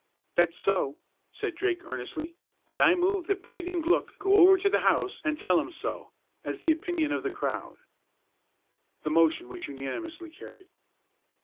"That's so," said Drake, earnestly; "and I move that Bright and Glück go over to the house an' tell 'em so, as the opinion of the crowd." The motion was unanimously carried.